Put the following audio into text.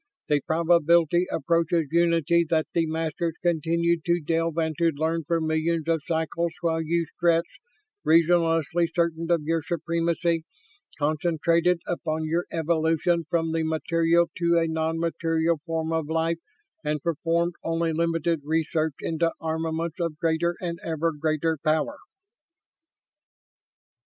The probability approaches unity that the Masters continued to delve and to learn for millions of cycles while you Stretts, reasonlessly certain of your supremacy, concentrated upon your evolution from the material to a non material form of life and performed only limited research into armaments of greater and ever greater power."